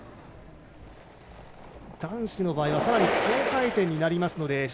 男子の場合はさらに高回転になりますので。